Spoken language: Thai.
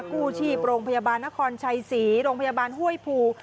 กู้ชีพโรงพยาบาลนครชัยศรีโรงพยาบาลห้วยภู